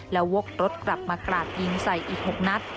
แล้ววกรถกลับมากราดยิงใส่อีก๖นัด